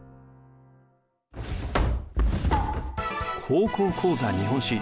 「高校講座日本史」。